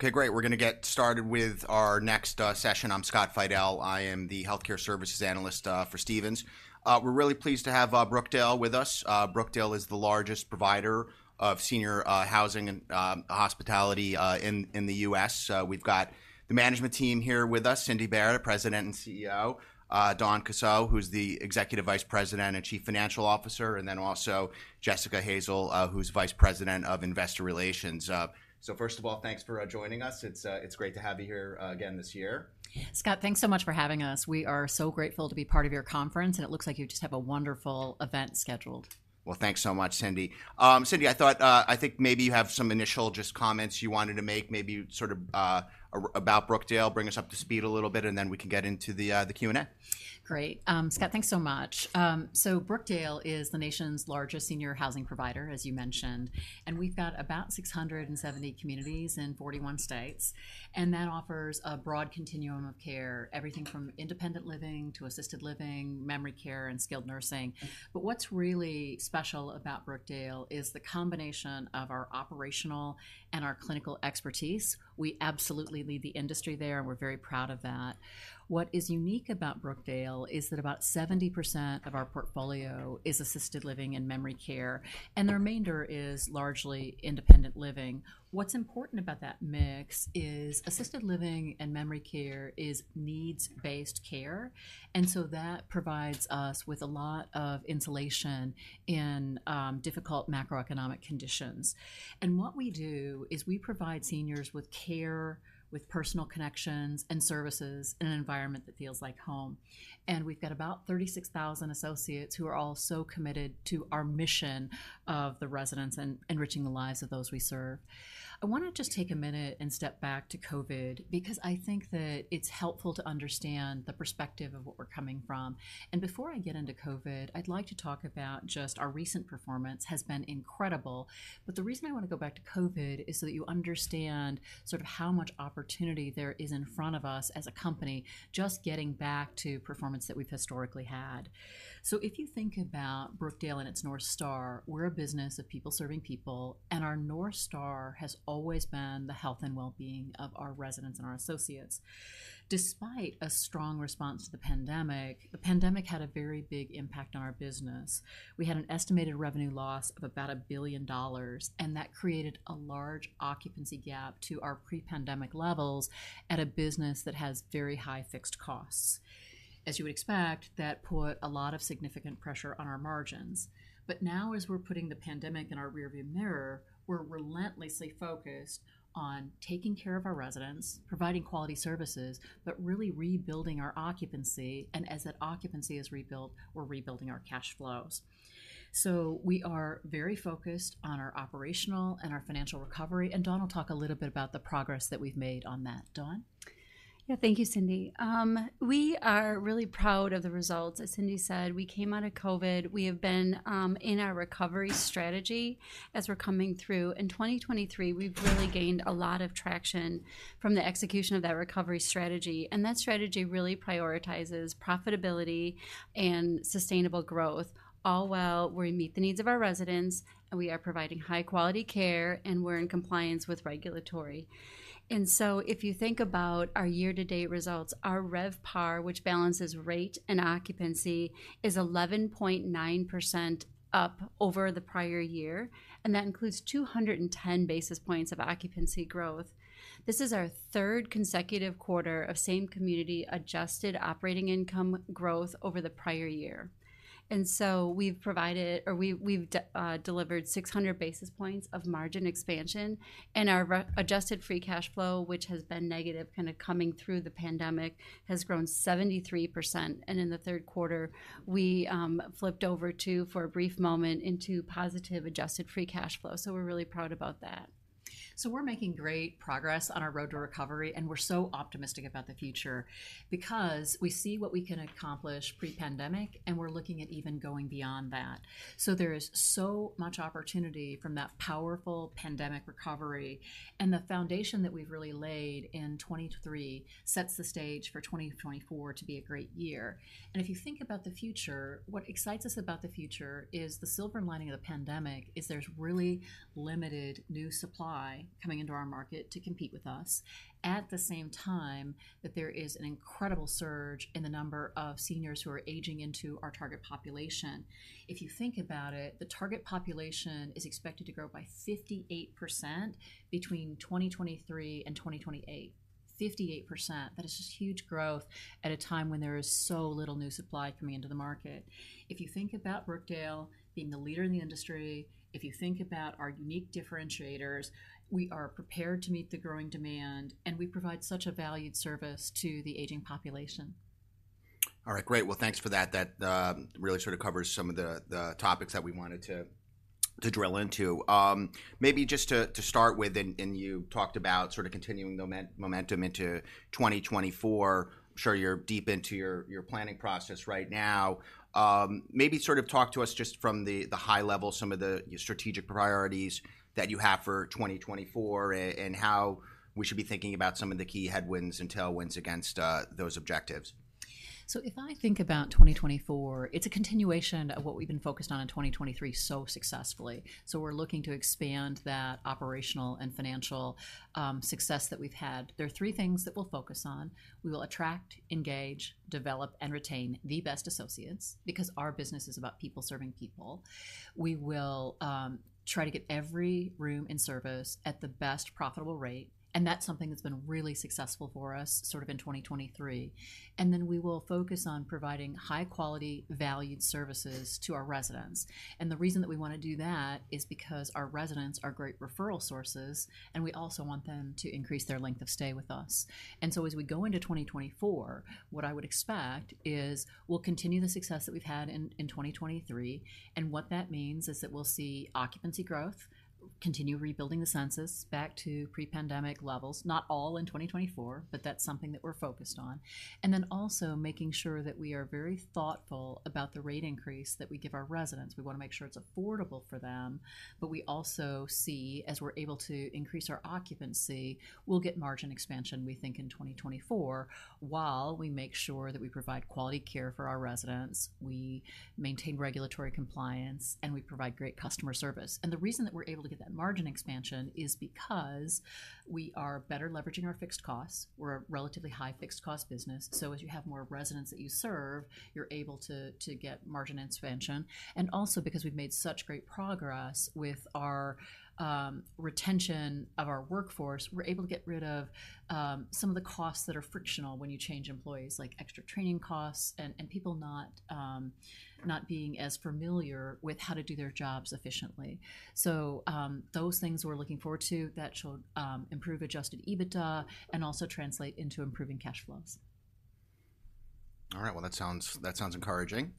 Okay, great. We're gonna get started with our next session. I'm Scott Fidel. I am the healthcare services analyst for Stephens. We're really pleased to have Brookdale with us. Brookdale is the largest provider of senior housing and hospitality in the US We've got the management team here with us, Cindy Baier, President and CEO, Dawn Kussow, who's the Executive Vice President and Chief Financial Officer, and then also Jessica Hansen, who's Vice President of Investor Relations. So, first of all, thanks for joining us. It's great to have you here again this year. Scott, thanks so much for having us. We are so grateful to be part of your conference, and it looks like you just have a wonderful event scheduled. Well, thanks so much, Cindy. Cindy, I thought, I think maybe you have some initial just comments you wanted to make, maybe sort of, about Brookdale. Bring us up to speed a little bit, and then we can get into the Q&A. Great. Scott, thanks so much. So Brookdale is the nation's largest senior housing provider, as you mentioned, and we've got about 670 communities in 41 states, and that offers a broad continuum of care, everything from independent living to assisted living, memory care, and skilled nursing. But what's really special about Brookdale is the combination of our operational and our clinical expertise. We absolutely lead the industry there, and we're very proud of that. What is unique about Brookdale is that about 70% of our portfolio is assisted living and memory care, and the remainder is largely independent living. What's important about that mix is assisted living and memory care is needs-based care, and so that provides us with a lot of insulation in difficult macroeconomic conditions. What we do is we provide seniors with care, with personal connections and services, in an environment that feels like home. We've got about 36,000 associates who are all so committed to our mission of the residents and enriching the lives of those we serve. I wanna just take a minute and step back to COVID, because I think that it's helpful to understand the perspective of what we're coming from. Before I get into COVID, I'd like to talk about just our recent performance has been incredible. The reason I wanna go back to COVID is so that you understand sort of how much opportunity there is in front of us as a company, just getting back to performance that we've historically had. So, if you think about Brookdale and its North Star, we're a business of people serving people, and our North Star has always been the health and wellbeing of our residents and our associates. Despite a strong response to the pandemic, the pandemic had a very big impact on our business. We had an estimated revenue loss of about $1 billion, and that created a large occupancy gap to our pre-pandemic levels at a business that has very high fixed costs. As you would expect, that put a lot of significant pressure on our margins. But now, as we're putting the pandemic in our rearview mirror, we're relentlessly focused on taking care of our residents, providing quality services, but really rebuilding our occupancy, and as that occupancy is rebuilt, we're rebuilding our cash flows. We are very focused on our operational and our financial recovery, and Dawn will talk a little bit about the progress that we've made on that. Dawn? Yeah. Thank you, Cindy. We are really proud of the results. As Cindy said, we came out of COVID. We have been in our recovery strategy as we're coming through. In 2023, we've really gained a lot of traction from the execution of that recovery strategy, and that strategy really prioritizes profitability and sustainable growth, all while we meet the needs of our residents, and we are providing high-quality care, and we're in compliance with regulatory. So, if you think about our year-to-date results, our RevPAR, which balances rate and occupancy, is 11.9% up over the prior year, and that includes 210 basis points of occupancy growth. This is our third consecutive quarter of same-community adjusted operating income growth over the prior year. So, we've delivered 600 basis points of margin expansion, and our adjusted free cash flow, which has been negative kind of coming through the pandemic, has grown 73%. In the third quarter, we flipped over to, for a brief moment, into positive adjusted free cash flow. We're really proud about that. So, we're making great progress on our road to recovery, and we're so optimistic about the future because we see what we can accomplish pre-pandemic, and we're looking at even going beyond that. So, there is so much opportunity from that powerful pandemic recovery, and the foundation that we've really laid in 2023 sets the stage for 2024 to be a great year. And if you think about the future, what excites us about the future is the silver lining of the pandemic, is there's really limited new supply coming into our market to compete with us, at the same time, that there is an incredible surge in the number of seniors who are aging into our target population. If you think about it, the target population is expected to grow by 58% between 2023 and 2028. 58%. That is just huge growth at a time when there is so little new supply coming into the market. If you think about Brookdale being the leader in the industry, if you think about our unique differentiators, we are prepared to meet the growing demand, and we provide such a valued service to the aging population. All right, great. Well, thanks for that. That really sort of covers some of the topics that we wanted to drill into. Maybe just to start with, and you talked about sort of continuing momentum into 2024. I'm sure you're deep into your planning process right now. Maybe sort of talk to us just from the high level, some of the strategic priorities that you have for 2024, and how we should be thinking about some of the key headwinds and tailwinds against those objectives. So, if I think about 2024, it's a continuation of what we've been focused on in 2023 so successfully. We're looking to expand that operational and financial success that we've had. There are three things that we'll focus on. We will attract, engage, develop, and retain the best associates, because our business is about people serving people. We will try to get every room in service at the best profitable rate, and that's something that's been really successful for us sort of in 2023. Then we will focus on providing high quality, valued services to our residents. The reason that we wanna do that is because our residents are great referral sources, and we also want them to increase their length of stay with us. As we go into 2024, what I would expect is we'll continue the success that we've had in 2023, and what that means is that we'll see occupancy growth, continue rebuilding the census back to pre-pandemic levels. Not all in 2024, but that's something that we're focused on. And then also making sure that we are very thoughtful about the rate increase that we give our residents. We wanna make sure it's affordable for them, but we also see, as we're able to increase our occupancy, we'll get margin expansion, we think, in 2024, while we make sure that we provide quality care for our residents, we maintain regulatory compliance, and we provide great customer service. And the reason that we're able to get that margin expansion is because we are better leveraging our fixed costs. We're a relatively high fixed cost business, so as you have more residents that you serve, you're able to get margin expansion. And also, because we've made such great progress with our retention of our workforce, we're able to get rid of some of the costs that are frictional when you change employees, like extra training costs and people not being as familiar with how to do their jobs efficiently. So, those things we're looking forward to, that should improve Adjusted EBITDA and also translate into improving cash flows. All right. Well, that sounds, that sounds encouraging.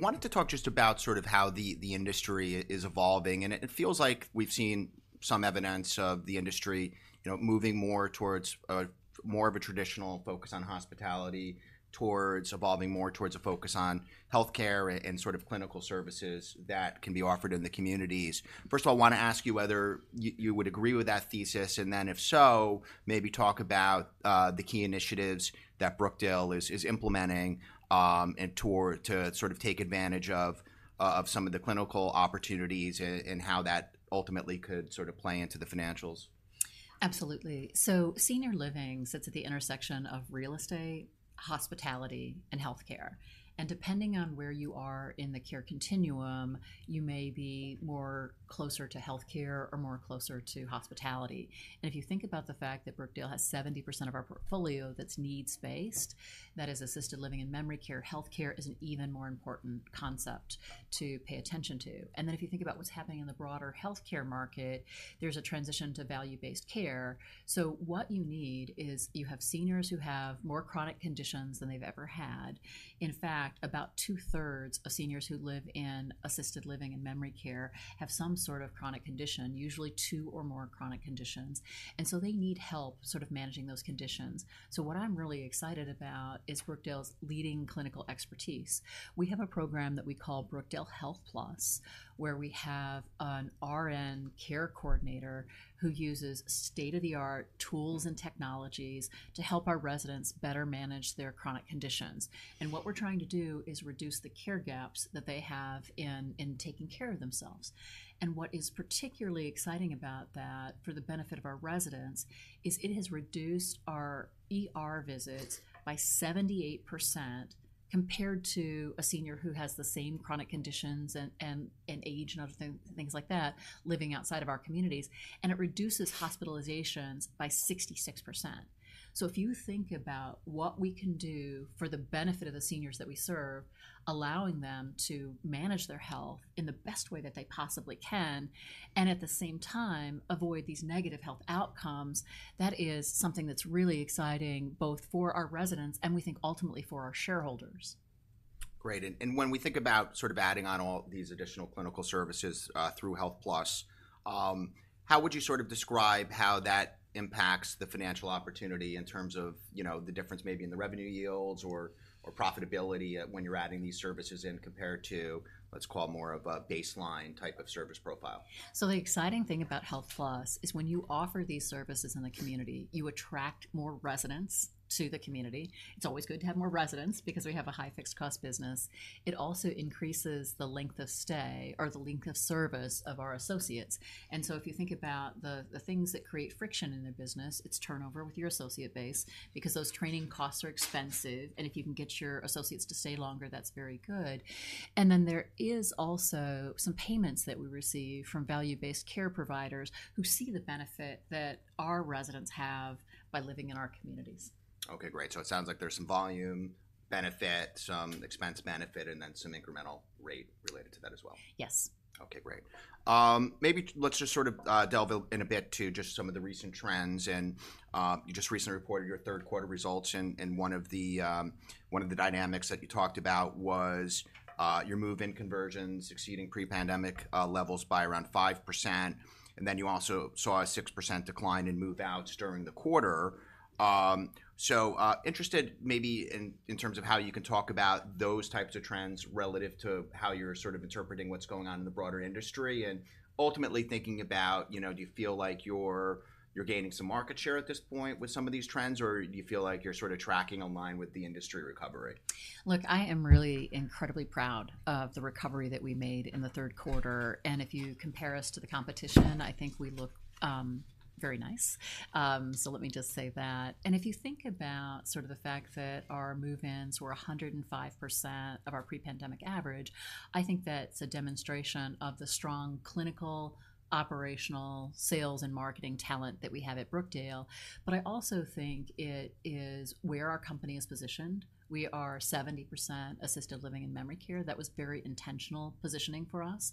Wanted to talk just about sort of how the industry is evolving, and it feels like we've seen some evidence of the industry, you know, moving more towards a more of a traditional focus on hospitality, towards evolving more towards a focus on healthcare and sort of clinical services that can be offered in the communities. First of all, I want to ask you whether you would agree with that thesis, and then if so, maybe talk about the key initiatives that Brookdale is implementing, and to sort of take advantage of some of the clinical opportunities and how that ultimately could sort of play into the financials. Absolutely. So senior living sits at the intersection of real estate, hospitality, and healthcare, and depending on where you are in the care continuum, you may be more closer to healthcare or more closer to hospitality. And if you think about the fact that Brookdale has 70% of our portfolio that's needs-based, that is Assisted Living and Memory Care, healthcare is an even more important concept to pay attention to. And then if you think about what's happening in the broader healthcare market, there's a transition to Value-Based Care. So, what you need is, you have seniors who have more chronic conditions than they've ever had. In fact, about two-thirds of seniors who live in Assisted Living and Memory Care have some sort of chronic condition, usually two or more chronic conditions, and so they need help sort of managing those conditions. So, what I'm really excited about is Brookdale's leading clinical expertise. We have a program that we call Brookdale HealthPlus, where we have an RN care coordinator who uses state-of-the-art tools and technologies to help our residents better manage their chronic conditions. And what we're trying to do is reduce the care gaps that they have in taking care of themselves. And what is particularly exciting about that, for the benefit of our residents, is it has reduced our ER visits by 78%, compared to a senior who has the same chronic conditions and age and other things like that, living outside of our communities, and it reduces hospitalizations by 66%. If you think about what we can do for the benefit of the seniors that we serve, allowing them to manage their health in the best way that they possibly can, and at the same time avoid these negative health outcomes, that is something that's really exciting, both for our residents and we think ultimately for our shareholders. Great. And, and when we think about sort of adding on all these additional clinical services, through HealthPlus, how would you sort of describe how that impacts the financial opportunity in terms of, you know, the difference maybe in the revenue yields or, or profitability, when you're adding these services in, compared to, let's call it more of a baseline type of service profile? So, the exciting thing about HealthPlus is when you offer these services in the community, you attract more residents to the community. It's always good to have more residents, because we have a high fixed cost business. It also increases the length of stay or the length of service of our associates. And so, if you think about the things that create friction in the business, it's turnover with your associate base, because those training costs are expensive, and if you can get your associates to stay longer, that's very good. And then there is also some payments that we receive from value-based care providers who see the benefit that our residents have by living in our communities. Okay, great. So, it sounds like there's some volume benefit, get some expense benefit and then some incremental rate related to that as well? Yes. Okay, great. Maybe let's just sort of delve in a bit to just some of the recent trends. And you just recently reported your third quarter results, and one of the dynamics that you talked about was your move-in conversions exceeding pre-pandemic levels by around 5%, and then you also saw a 6% decline in move-outs during the quarter. So interested maybe in terms of how you can talk about those types of trends relative to how you're sort of interpreting what's going on in the broader industry. And ultimately thinking about, you know, do you feel like you're gaining some market share at this point with some of these trends, or do you feel like you're sort of tracking online with the industry recovery? Look, I am really incredibly proud of the recovery that we made in the third quarter, and if you compare us to the competition, I think we look very nice. So let me just say that. If you think about sort of the fact that our move-ins were 105% of our pre-pandemic average, I think that's a demonstration of the strong clinical, operational, sales, and marketing talent that we have at Brookdale. But I also think it is where our company is positioned. We are 70% Assisted Living and Memory Care. That was very intentional positioning for us.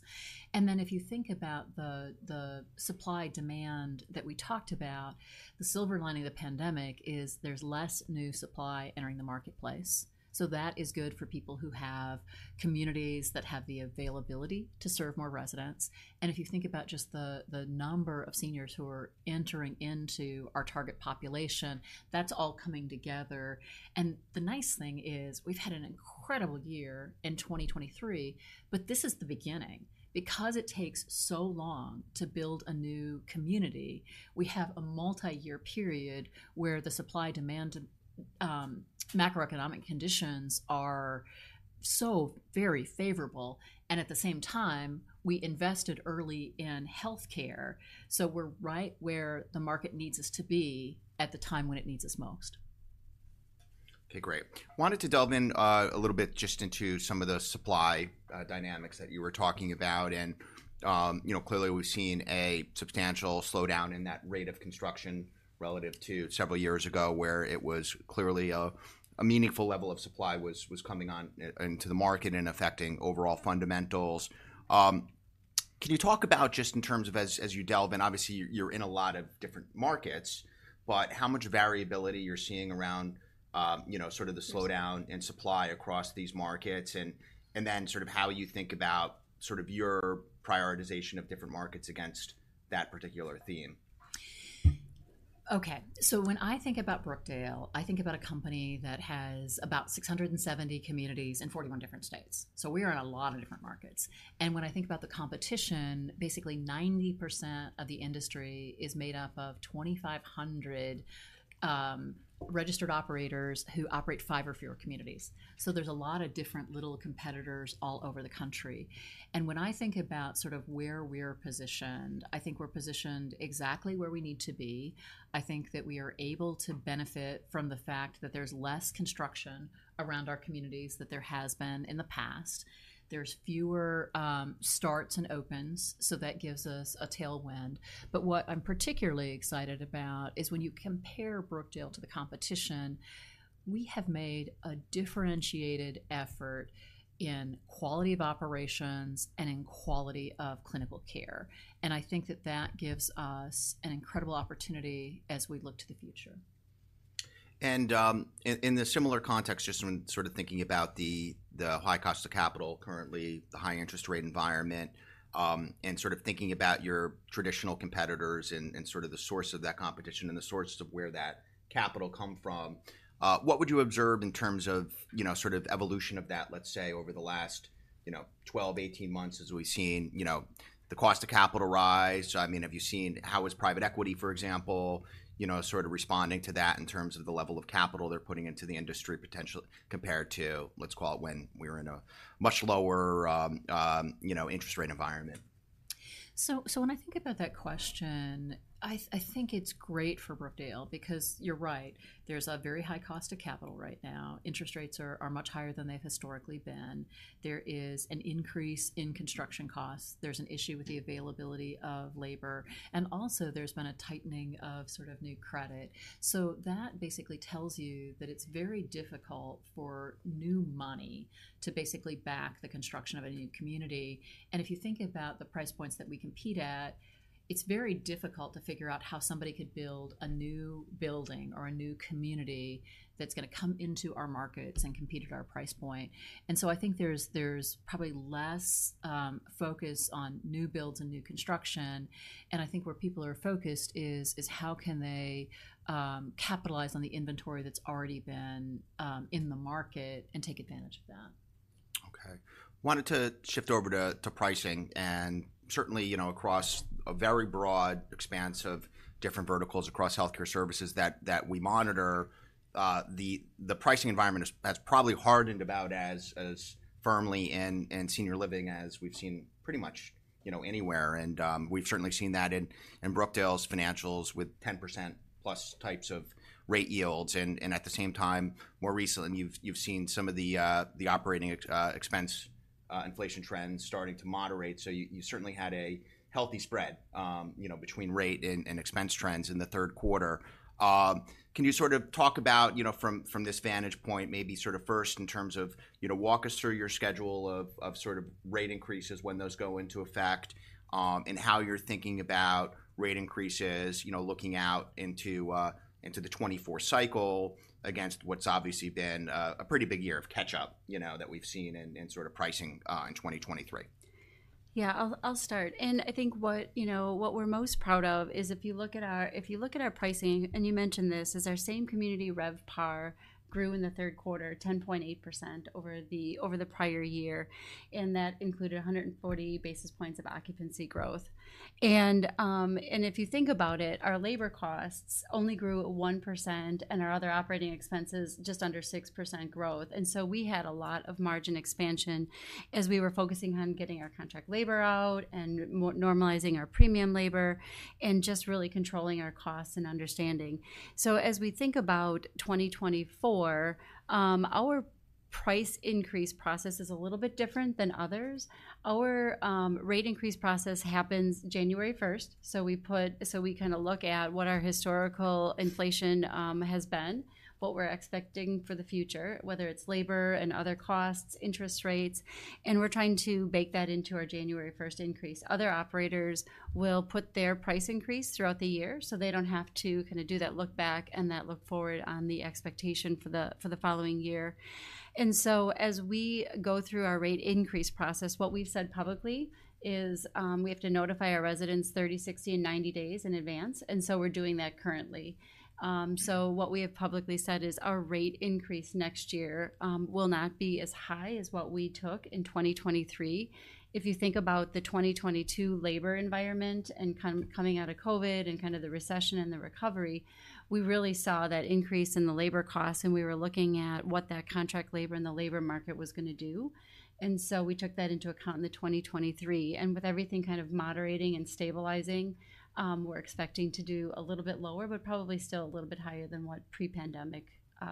And then if you think about the supply-demand that we talked about, the silver lining of the pandemic is there's less new supply entering the marketplace. So that is good for people who have communities that have the availability to serve more residents. If you think about just the number of seniors who are entering into our target population, that's all coming together. The nice thing is, we've had an incredible year in 2023, but this is the beginning. Because it takes so long to build a new community, we have a multi-year period where the supply-demand macroeconomic conditions are so very favorable, and at the same time, we invested early in healthcare, so we're right where the market needs us to be at the time when it needs us most. Okay, great. Wanted to delve in a little bit just into some of the supply dynamics that you were talking about. And, you know, clearly we've seen a substantial slowdown in that rate of construction relative to several years ago, where it was clearly a meaningful level of supply was coming on into the market and affecting overall fundamentals. Can you talk about, just in terms of as you delve in, obviously you're in a lot of different markets, but how much variability you're seeing around, you know, sort of the slowdown... Yes In supply across these markets, and, and then sort of how you think about sort of your prioritization of different markets against that particular theme? Okay. So when I think about Brookdale, I think about a company that has about 670 communities in 41 different states. So we are in a lot of different markets. And when I think about the competition, basically 90% of the industry is made up of 2,500 registered operators who operate five or fewer communities. So there's a lot of different little competitors all over the country. And when I think about sort of where we're positioned, I think we're positioned exactly where we need to be. I think that we are able to benefit from the fact that there's less construction around our communities than there has been in the past. There's fewer starts and opens, so that gives us a tailwind. But what I'm particularly excited about is when you compare Brookdale to the competition, we have made a differentiated effort in quality of operations and in quality of clinical care, and I think that that gives us an incredible opportunity as we look to the future. In the similar context, just when sort of thinking about the high cost of capital, currently the high interest rate environment, and sort of thinking about your traditional competitors and sort of the source of that competition and the sources of where that capital come from, what would you observe in terms of, you know, sort of evolution of that, let's say, over the last, you know, 12, 18 months as we've seen, you know, the cost of capital rise? So, I mean, have you seen... How is private equity, for example, you know, sort of responding to that in terms of the level of capital they're putting into the industry, potentially compared to, let's call it when we were in a much lower, you know, interest rate environment? So when I think about that question, I think it's great for Brookdale because you're right, there's a very high cost of capital right now. Interest rates are much higher than they've historically been. There is an increase in construction costs. There's an issue with the availability of labor, and also there's been a tightening of sort of new credit. So that basically tells you that it's very difficult for new money to basically back the construction of any new community, and if you think about the price points that we compete at, it's very difficult to figure out how somebody could build a new building or a new community that's gonna come into our markets and compete at our price point. I think there's probably less focus on new builds and new construction, and I think where people are focused is how can they capitalize on the inventory that's already been in the market and take advantage of that? Okay. Wanted to shift over to pricing, and certainly, you know, across a very broad expanse of different verticals across healthcare services that we monitor, the pricing environment has probably hardened about as firmly in senior living as we've seen pretty much, you know, anywhere. And we've certainly seen that in Brookdale's financials with 10%+ types of rate yields. And at the same time, more recently, you've seen some of the operating expense inflation trends starting to moderate, so you certainly had a healthy spread, you know, between rate and expense trends in the third quarter. Can you sort of talk about, you know, from this vantage point, maybe sort of first in terms of, you know, walk us through your schedule of sort of rate increases when those go into effect, and how you're thinking about rate increases, you know, looking out into the 2024 cycle against what's obviously been a pretty big year of catch-up, you know, that we've seen in sort of pricing in 2023? Yeah, I'll start. And I think what, you know, what we're most proud of is if you look at our... If you look at our pricing, and you mentioned this, is our same-community RevPAR grew in the third quarter 10.8% over the, over the prior year, and that included 140 basis points of occupancy growth. And, and if you think about it, our labor costs only grew 1%, and our other operating expenses, just under 6% growth. And so, we had a lot of margin expansion as we were focusing on getting our contract labor out and normalizing our premium labor and just really controlling our costs and understanding. So, as we think about 2024, our price increase process is a little bit different than others. Our rate increase process happens 1 January 2024, so we kinda look at what our historical inflation has been, what we're expecting for the future, whether it's labor and other costs, interest rates, and we're trying to bake that into our 1 January 2024 increase. Other operators will put their price increase throughout the year, so they don't have to kinda do that look back and that look forward on the expectation for the following year. As we go through our rate increase process, what we've said publicly is, we have to notify our residents 30, 60, and 90 days in advance, and so we're doing that currently. So, what we have publicly said is our rate increase next year will not be as high as what we took in 2023. If you think about the 2022 labor environment and coming out of COVID and kind of the recession and the recovery, we really saw that increase in the labor costs, and we were looking at what that contract labor and the labor market was gonna do. And so, we took that into account in the 2023. And with everything kind of moderating and stabilizing, we're expecting to do a little bit lower, but probably still a little bit higher than what pre-pandemic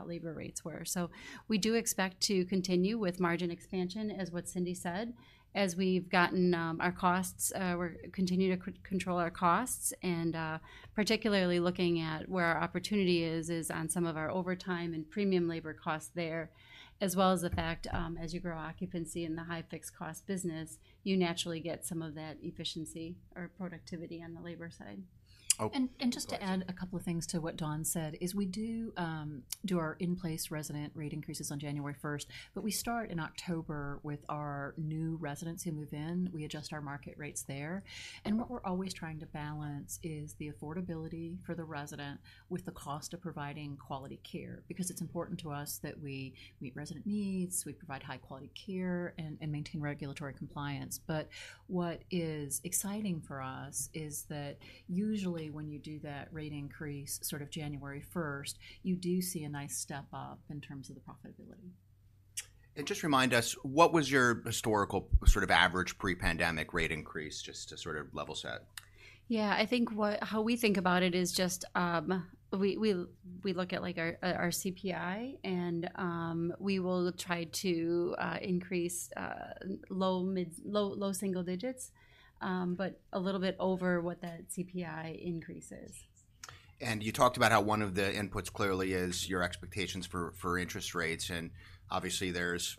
labor rates were. So, we do expect to continue with margin expansion, as what Cindy said. As we've gotten our costs, we're continue to control our costs and, particularly looking at where our opportunity is on some of our overtime and premium labor costs there, as well as the fact, as you grow occupancy in the high fixed cost business, you naturally get some of that efficiency or productivity on the labor side. Oh. And just to add a couple of things to what Dawn said, is we do do our in-place resident rate increases on 1 January 2024, but we start in October with our new residents who move in. We adjust our market rates there. And what we're always trying to balance is the affordability for the resident with the cost of providing quality care, because it's important to us that we meet resident needs, we provide high-quality care and maintain regulatory compliance. But what is exciting for us is that usually when you do that rate increase sort of 1 January 2024, you do see a nice step up in terms of the profitability. Just remind us, what was your historical sort of average pre-pandemic rate increase, just to sort of level set? Yeah, I think how we think about it is just, we look at, like our CPI, and we will try to increase low, mid-low, low single digits, but a little bit over what that CPI increase is. And you talked about how one of the inputs clearly is your expectations for, for interest rates, and obviously there's,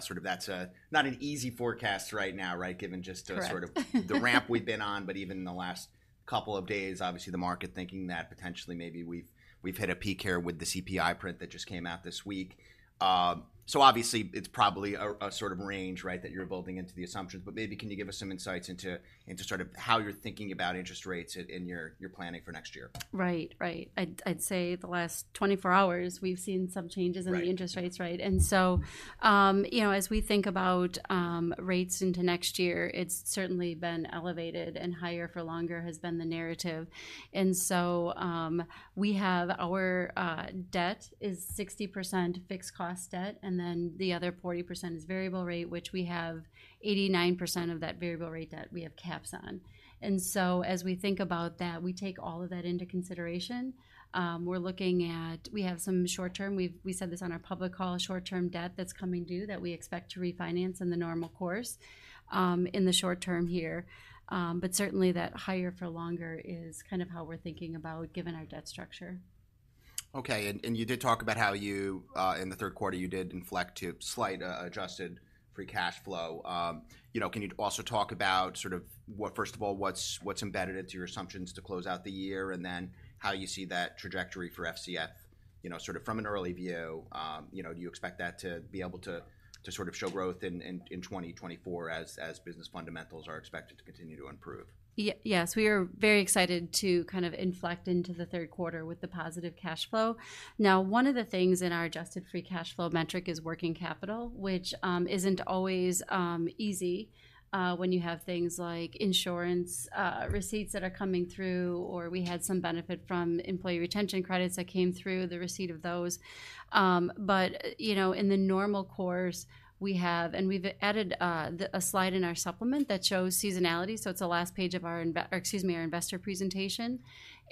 sort of that's, not an easy forecast right now, right? Given just the. Correct. sort of the ramp we've been on, but even in the last couple of days, obviously, the market thinking that potentially maybe we've hit a peak here with the CPI print that just came out this week. So obviously it's probably a sort of range, right, that you're building into the assumptions, but maybe can you give us some insights into sort of how you're thinking about interest rates in your planning for next year? Right. Right. I'd say the last 24 hours, we've seen some changes... Right. In the interest rates, right? And so, you know, as we think about, rates into next year, it's certainly been elevated, and higher for longer has been the narrative. And so, we have our debt is 60% fixed cost debt, and then the other 40% is variable rate, which we have 89% of that variable rate that we have caps on. And so, as we think about that, we take all of that into consideration. We're looking at. We have some short-term, we've, we said this on our public call, short-term debt that's coming due that we expect to refinance in the normal course, in the short term here. But certainly, that higher for longer is kind of how we're thinking about given our debt structure. Okay, and you did talk about how you in the third quarter you did inflect to slight Adjusted Free Cash Flow. You know, can you also talk about sort of what... First of all, what's embedded into your assumptions to close out the year, and then how you see that trajectory for FCF, you know, sort of from an early view? You know, do you expect that to be able to to sort of show growth in 2024 as business fundamentals are expected to continue to improve? Yes, we are very excited to kind of inflect into the third quarter with the positive cash flow. Now, one of the things in our adjusted free cash flow metric is working capital, which isn't always easy when you have things like insurance receipts that are coming through. We had some benefit from employee retention credits that came through, the receipt of those. But you know, in the normal course, we have, and we've added a slide in our supplement that shows seasonality, so it's the last page of our investor presentation.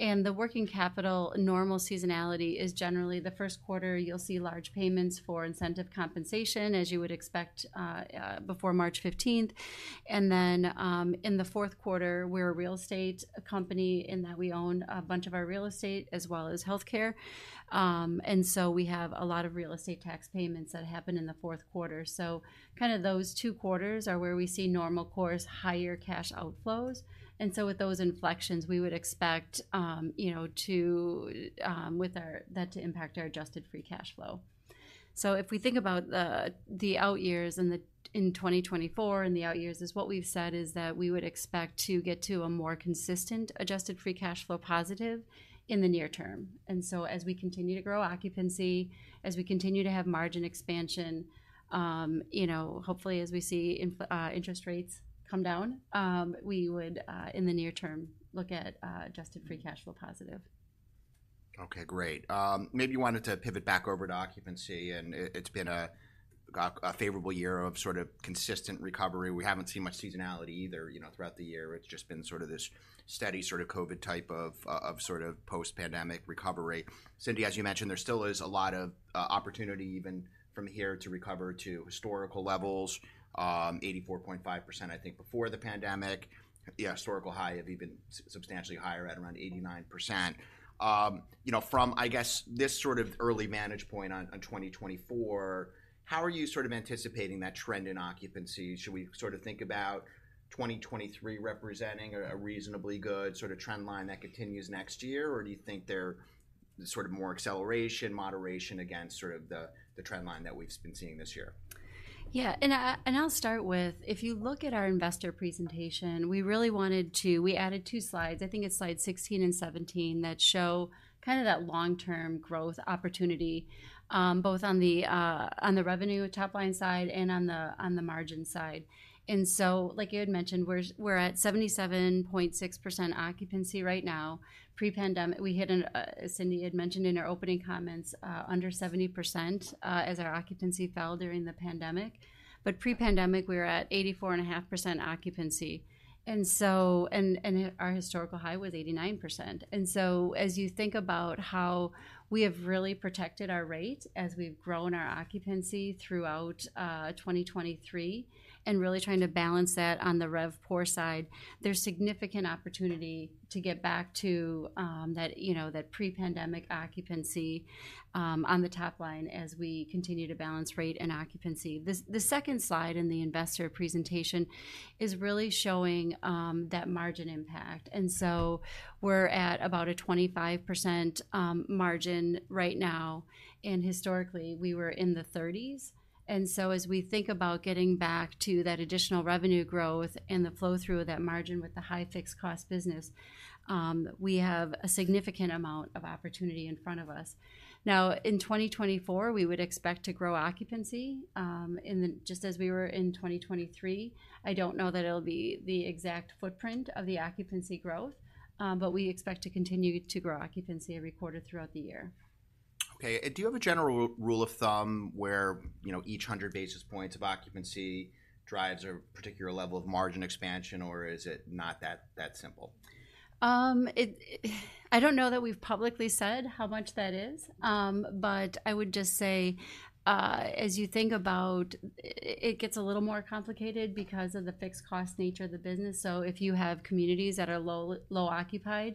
And the working capital normal seasonality is generally the first quarter, you'll see large payments for incentive compensation, as you would expect, before 15 March 2024. And then, in the fourth quarter, we're a real estate company in that we own a bunch of our real estate as well as healthcare. And so, we have a lot of real estate tax payments that happen in the fourth quarter. So, kind of those two quarters are where we see normal course, higher cash outflows. And so, with those inflections, we would expect, you know, to, with our—that to impact our Adjusted Free Cash Flow. So, if we think about the outyears in 2024 and the outyears, is what we've said is that we would expect to get to a more consistent Adjusted Free Cash Flow positive in the near term. And so as we continue to grow occupancy, as we continue to have margin expansion, you know, hopefully, as we see inflation, interest rates come down, we would, in the near term, look at Adjusted Free Cash Flow positive. Okay, great. Maybe wanted to pivot back over to occupancy, and it, it's been a favorable year of sort of consistent recovery. We haven't seen much seasonality either, you know, throughout the year. It's just been sort of this steady sort of COVID type of, of sort of post-pandemic recovery. Cindy, as you mentioned, there still is a lot of opportunity even from here to recover to historical levels. Eighty-four-point five percent, I think, before the pandemic. The historical high of even substantially higher at around eighty-nine percent. You know, from, I guess, this sort of early midpoint on 2024, how are you sort of anticipating that trend in occupancy? Should we sort of think about 2023 representing a reasonably good sort of trend line that continues next year, or do you think there sort of more acceleration, moderation against sort of the trend line that we've been seeing this year? Yeah, and I'll start with, if you look at our investor presentation, we really wanted to... We added two slides, I think it's slide 16 and 17, that show kind of that long-term growth opportunity, both on the revenue top line side and on the margin side. And so, like you had mentioned, we're, we're at 77.6% occupancy right now. Pre-pandemic, we hit an, as Cindy had mentioned in our opening comments, under 70%, as our occupancy fell during the pandemic. But pre-pandemic, we were at 84.5% occupancy. And so- and, and our historical high was 89%. And so as you think about how we have really protected our rate as we've grown our occupancy throughout 2023, and really trying to balance that on the RevPAR side, there's significant opportunity to get back to that, you know, that pre-pandemic occupancy on the top line as we continue to balance rate and occupancy. The second slide in the investor presentation is really showing that margin impact. And so we're at about a 25% margin right now, and historically, we were in the thirties. And so, as we think about getting back to that additional revenue growth and the flow through of that margin with the high fixed cost business, we have a significant amount of opportunity in front of us. Now, in 2024, we would expect to grow occupancy in the... Just as we were in 2023. I don't know that it'll be the exact footprint of the occupancy growth, but we expect to continue to grow occupancy every quarter throughout the year. Okay. Do you have a general rule of thumb where, you know, each 100 basis points of occupancy drives a particular level of margin expansion, or is it not that simple? I don't know that we've publicly said how much that is. But I would just say, as you think about, it gets a little more complicated because of the fixed cost nature of the business. So if you have communities that are low, low occupied,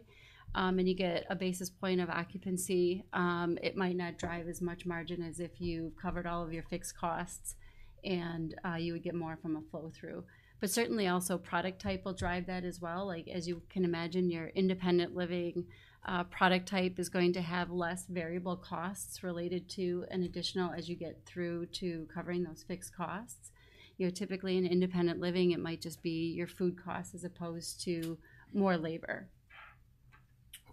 and you get a basis point of occupancy, it might not drive as much margin as if you've covered all of your fixed costs, and you would get more from a flow-through. But certainly, also product type will drive that as well. Like, as you can imagine, your independent living, product type is going to have less variable costs related to an additional as you get through to covering those fixed costs. You know, typically in independent living, it might just be your food costs as opposed to more labor.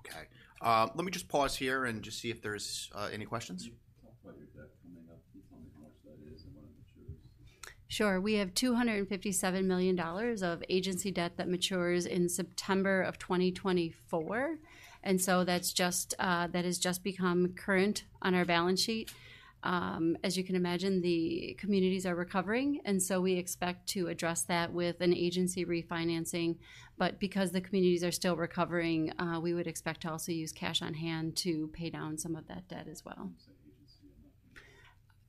Okay, let me just pause here and just see if there's any questions? Can you talk about your debt coming up? Can you tell me how much that is and when it matures? Sure. We have $257 million of agency debt that matures in September 2024, and so that's just, that has just become current on our balance sheet. As you can imagine, the communities are recovering, and so we expect to address that with an agency refinancing. But because the communities are still recovering, we would expect to also use cash on hand to pay down some of that debt as well. You said agency on that?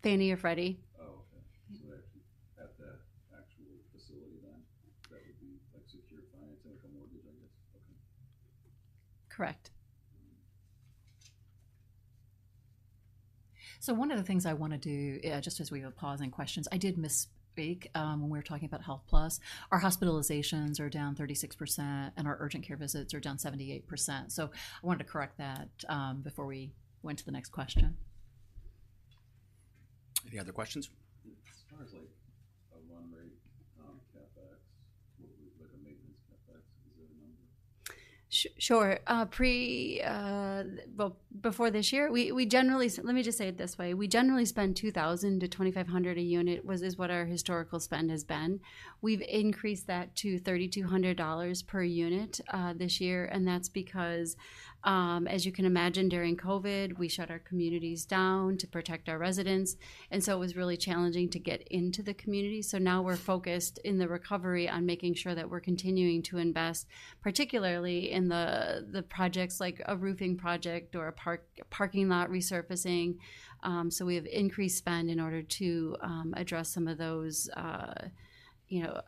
Fannie or Freddie. Oh, okay. Yeah. So they're actually at the actual facility then, that would be like secure financing for mortgage, I guess. Okay. Correct. Mm-hmm. So, one of the things I wanna do, just as we are pausing questions, I did misspeak, when we were talking about HealthPlus. Our hospitalizations are down 36%, and our urgent care visits are down 78%. So, I wanted to correct that, before we went to the next question. Any other questions? As far as like, a run rate, CapEx, like a maintenance CapEx, is there a number? Sure. Well, before this year, we generally spend 2,000-2,500 a unit, which is what our historical spend has been. We've increased that to $3,200 per unit this year, and that's because, as you can imagine, during COVID, we shut our communities down to protect our residents, and so it was really challenging to get into the community. So now we're focused in the recovery on making sure that we're continuing to invest, particularly in the projects, like a roofing project or a parking lot resurfacing. So, we have increased spend in order to address some of those, you know,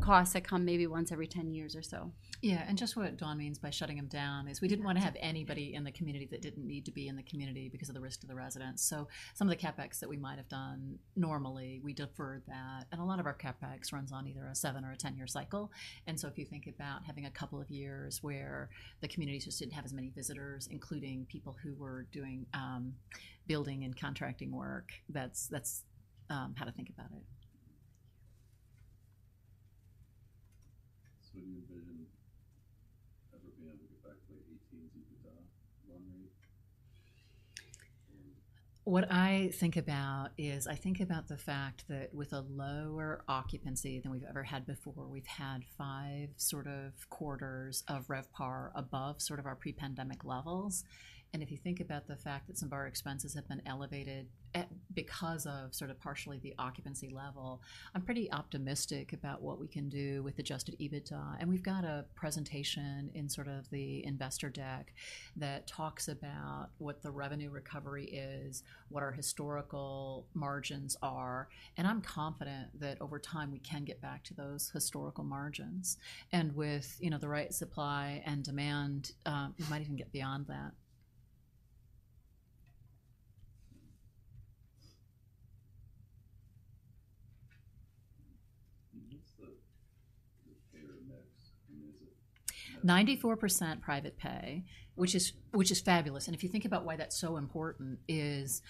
costs that come maybe once every 10 years or so. Yeah, and just what Dawn means by shutting them down is we didn't want to have anybody in the community that didn't need to be in the community because of the risk to the residents. So, some of the CapEx that we might have done normally, we deferred that. And a lot of our CapEx runs on either a 7- or a 10-year cycle. And so, if you think about having a couple of years where the communities just didn't have as many visitors, including people who were doing building and contracting work, that's how to think about it. Do you envision ever being able to get back to, like, 18 EBITDA run rate? And... What I think about is, I think about the fact that with a lower occupancy than we've ever had before, we've had five sort of quarters of RevPAR above sort of our pre-pandemic levels. And if you think about the fact that some of our expenses have been elevated at... Because of sort of partially the occupancy level, I'm pretty optimistic about what we can do with Adjusted EBITDA. And we've got a presentation in sort of the investor deck that talks about what the revenue recovery is, what our historical margins are, and I'm confident that over time we can get back to those historical margins. And with, you know, the right supply and demand, we might even get beyond that. What's the payer mix, and is it... 94% private pay, which is, which is fabulous. And if you think about why that's so important is,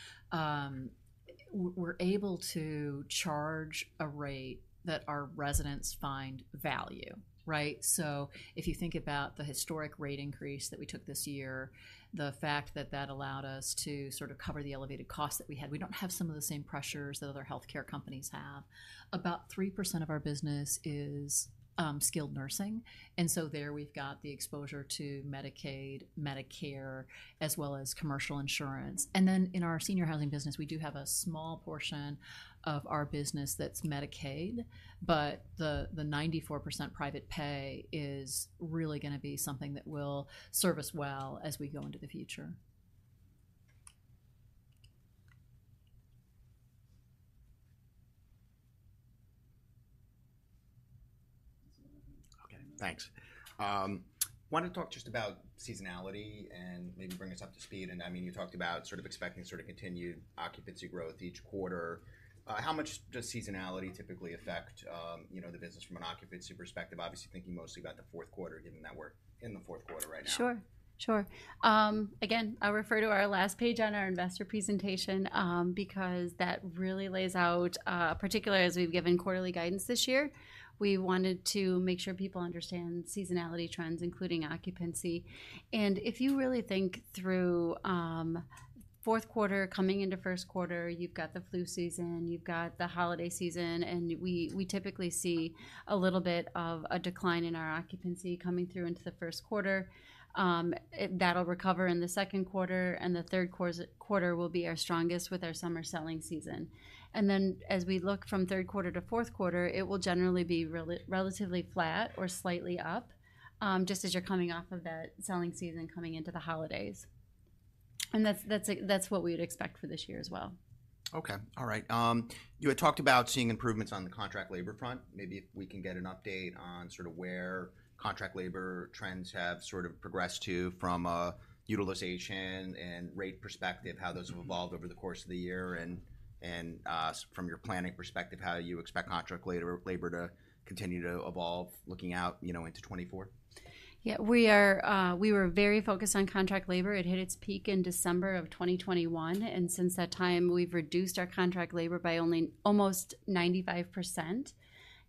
we're able to charge a rate that our residents find value, right? So if you think about the historic rate increase that we took this year, the fact that that allowed us to sort of cover the elevated costs that we had. We don't have some of the same pressures that other healthcare companies have. About 3% of our business is skilled nursing, and so there we've got the exposure to Medicaid, Medicare, as well as commercial insurance. And then in our senior housing business, we do have a small portion of our business that's Medicaid, but the 94% private pay is really gonna be something that will serve us well as we go into the future. Okay, thanks. I want to talk just about seasonality and maybe bring us up to speed. I mean, you talked about sort of expecting sort of continued occupancy growth each quarter. How much does seasonality typically affect, you know, the business from an occupancy perspective? Obviously, thinking mostly about the fourth quarter, given that we're in the fourth quarter right now. Sure, sure. Again, I'll refer to our last page on our investor presentation, because that really lays out, particularly as we've given quarterly guidance this year, we wanted to make sure people understand seasonality trends, including occupancy. And if you really think through, fourth quarter coming into first quarter, you've got the flu season, you've got the holiday season, and we typically see a little bit of a decline in our occupancy coming through into the first quarter. That'll recover in the second quarter, and the third quarter will be our strongest with our summer selling season. And then, as we look from third quarter to fourth quarter, it will generally be relatively flat or slightly up, just as you're coming off of that selling season and coming into the holidays. That's what we'd expect for this year as well. Okay, all right. You had talked about seeing improvements on the contract labor front. Maybe if we can get an update on sort of where contract labor trends have sort of progressed to from a utilization and rate perspective, how those have evolved over the course of the year, and from your planning perspective, how you expect contract labor, labor to continue to evolve looking out, you know, into 2024? Yeah, we were very focused on contract labor. It hit its peak in December of 2021, and since that time, we've reduced our contract labor by only almost 95%.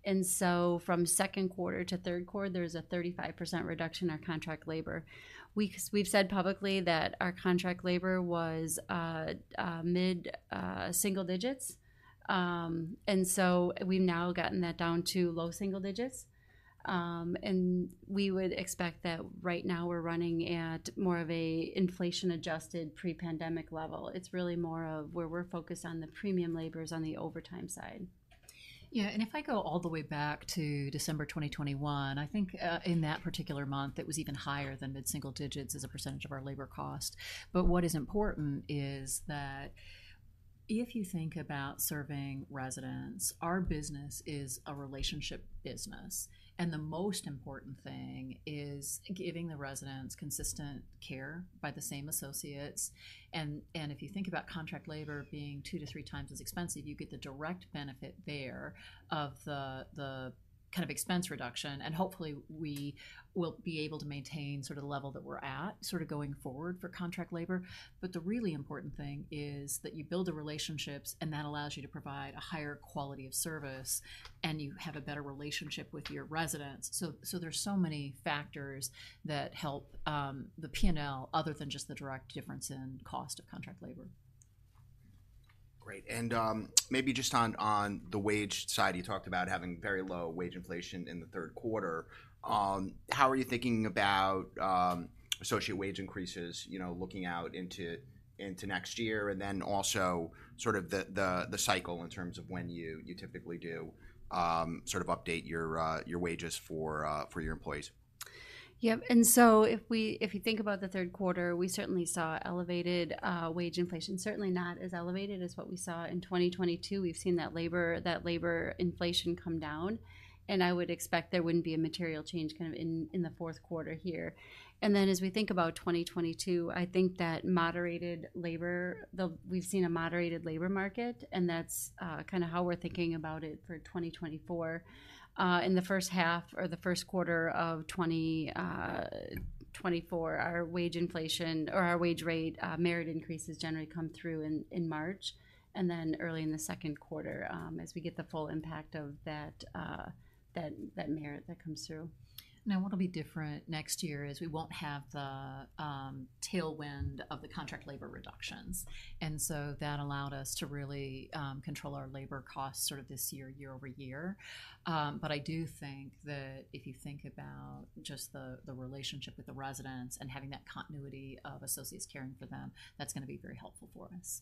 And so, from second quarter to third quarter, there was a 35% reduction in our contract labor. We've said publicly that our contract labor was mid-single digits, and so we've now gotten that down to low single digits. And we would expect that right now we're running at more of an inflation-adjusted pre-pandemic level. It's really more of where we're focused on the premium labors on the overtime side. Yeah, and if I go all the way back to December 2021, I think, in that particular month, it was even higher than mid-single digits as a % of our labor cost. But what is important is that if you think about serving residents, our business is a relationship business, and the most important thing is giving the residents consistent care by the same associates. And, and if you think about contract labor being 2-3 times as expensive, you get the direct benefit there of the kind of expense reduction, and hopefully we will be able to maintain sort of the level that we're at.... sort of going forward for contract labor. But the really important thing is that you build the relationships, and that allows you to provide a higher quality of service, and you have a better relationship with your residents. So, there's so many factors that help the P&L other than just the direct difference in cost of contract labor. Great, and, maybe just on the wage side, you talked about having very low wage inflation in the third quarter. How are you thinking about associate wage increases, you know, looking out into next year? And then also, sort of the cycle in terms of when you typically do sort of update your wages for your employees. Yep, and so if you think about the third quarter, we certainly saw elevated wage inflation. Certainly not as elevated as what we saw in 2022. We've seen that labor inflation come down, and I would expect there wouldn't be a material change kind of in the fourth quarter here. And then, as we think about 2022, I think that moderated labor. We've seen a moderated labor market, and that's kind of how we're thinking about it for 2024. In the first half or the first quarter of 2024, our wage inflation or our wage rate merit increases generally come through in March, and then early in the second quarter, as we get the full impact of that merit that comes through. Now, what'll be different next year is we won't have the tailwind of the contract labor reductions, and so that allowed us to really control our labor costs sort of this year, year over year. But I do think that if you think about just the relationship with the residents and having that continuity of associates caring for them, that's gonna be very helpful for us.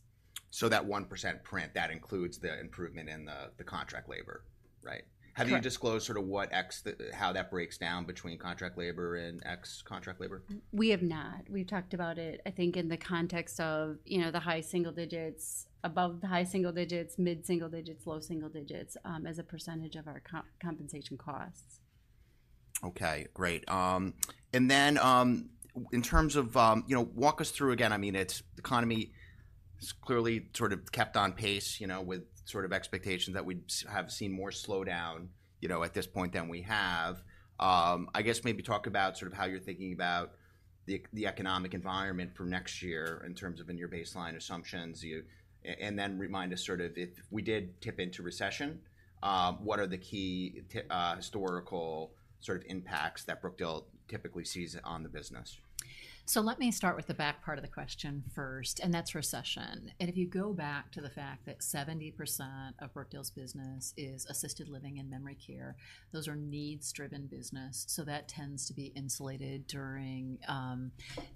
So that 1% print, that includes the improvement in the contract labor, right? Correct. Have you disclosed sort of what, how that breaks down between contract labor and ex-contract labor? We have not. We've talked about it, I think, in the context of, you know, the high single digits, above the high single digits, mid-single digits, low single digits, as a percentage of our compensation costs. Okay, great. And then, in terms of, you know, walk us through again, I mean, it's... The economy has clearly sort of kept on pace, you know, with sort of expectations that we'd have seen more slowdown, you know, at this point than we have. I guess maybe talk about sort of how you're thinking about the economic environment for next year in terms of your baseline assumptions, and then remind us sort of if we did tip into recession, what are the key historical sort of impacts that Brookdale typically sees on the business? So let me start with the back part of the question first, and that's recession. And if you go back to the fact that 70% of Brookdale's business is assisted living and memory care, those are needs-driven business, so that tends to be insulated during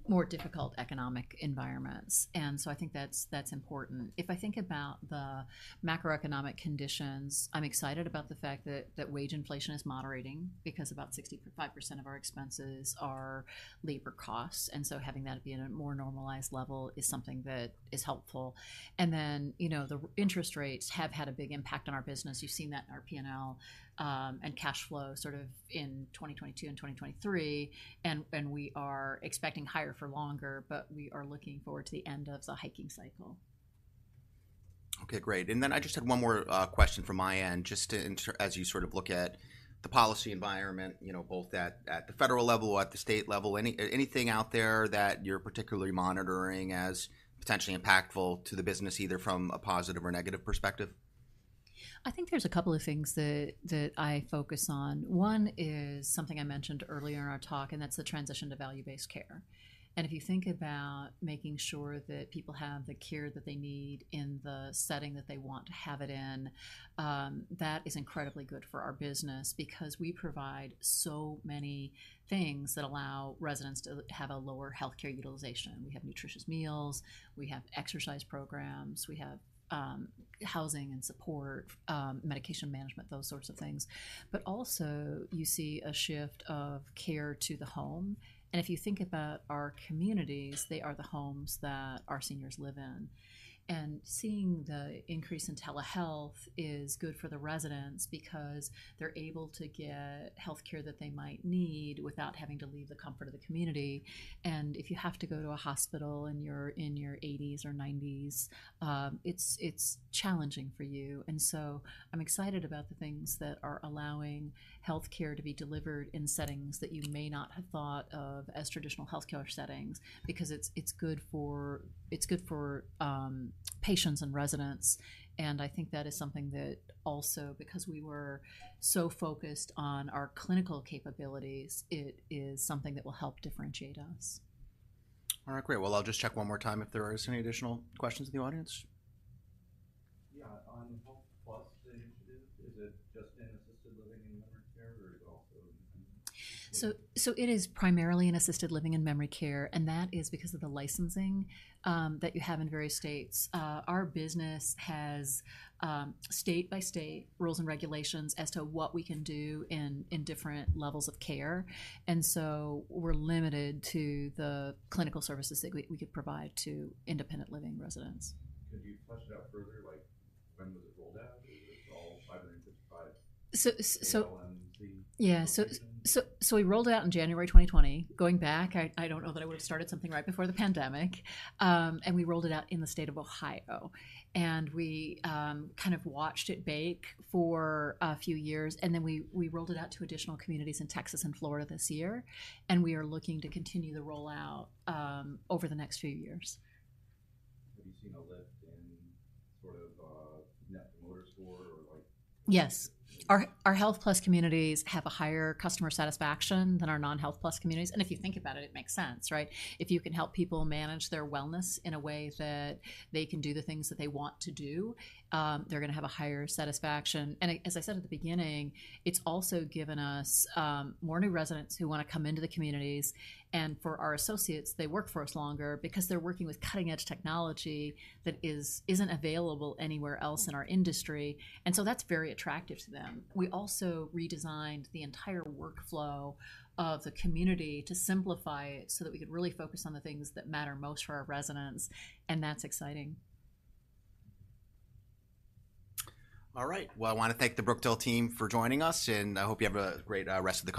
more difficult economic environments, and so I think that's, that's important. If I think about the macroeconomic conditions, I'm excited about the fact that wage inflation is moderating because about 65% of our expenses are labor costs, and so having that be in a more normalized level is something that is helpful. And then, you know, the interest rates have had a big impact on our business. You've seen that in our P&L, and cash flow sort of in 2022 and 2023, and we are expecting higher for longer, but we are looking forward to the end of the hiking cycle. Okay, great. And then I just had one more question from my end. Just as you sort of look at the policy environment, you know, both at the federal level, at the state level, anything out there that you're particularly monitoring as potentially impactful to the business, either from a positive or negative perspective? I think there's a couple of things that I focus on. One is something I mentioned earlier in our talk, and that's the transition to Value-Based Care. And if you think about making sure that people have the care that they need in the setting that they want to have it in, that is incredibly good for our business because we provide so many things that allow residents to have a lower healthcare utilization. We have nutritious meals, we have exercise programs, we have housing and support, medication management, those sorts of things. But also, you see a shift of care to the home, and if you think about our communities, they are the homes that our seniors live in. Seeing the increase in telehealth is good for the residents because they're able to get healthcare that they might need without having to leave the comfort of the community. If you have to go to a hospital and you're in your eighties or nineties, it's challenging for you. So, I'm excited about the things that are allowing healthcare to be delivered in settings that you may not have thought of as traditional healthcare settings because it's good for patients and residents. I think that is something that also, because we were so focused on our clinical capabilities, it is something that will help differentiate us. All right, great. Well, I'll just check one more time if there is any additional questions in the audience. Yeah, on HealthPlus initiative, is it just in Assisted Living and Memory Care, or is it also in... So it is primarily in assisted living and memory care, and that is because of the licensing that you have in various states. Our business has state-by-state rules and regulations as to what we can do in different levels of care, and so we're limited to the clinical services that we could provide to independent living residents. Could you flesh it out further? Like, when was it rolled out? Is it all 555... So... AL and MC? Yeah. So, we rolled it out in January 2020. Going back, I don't know that I would've started something right before the pandemic. We rolled it out in the state of Ohio, and we kind of watched it bake for a few years, and then we rolled it out to additional communities in Texas and Florida this year, and we are looking to continue the rollout over the next few years. Have you seen a lift in sort of, Net Promoter Score or like... Yes. Our, our Health+ communities have a higher customer satisfaction than our non-HealthPlus communities, and if you think about it, it makes sense, right? If you can help people manage their wellness in a way that they can do the things that they want to do, they're gonna have a higher satisfaction. And as I said at the beginning, it's also given us more new residents who wanna come into the communities. And for our associates, they work for us longer because they're working with cutting-edge technology that isn't available anywhere else in our industry, and so that's very attractive to them. We also redesigned the entire workflow of the community to simplify it, so that we could really focus on the things that matter most for our residents, and that's exciting. All right. Well, I wanna thank the Brookdale team for joining us, and I hope you have a great rest of the day.